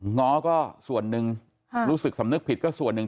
ง้อก็ส่วนหนึ่งรู้สึกสำนึกผิดก็ส่วนหนึ่ง